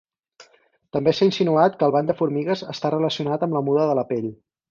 També s'ha insinuat que el bany de formigues està relacionat amb la muda de la pell.